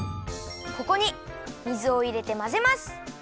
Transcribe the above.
ここに水をいれてまぜます。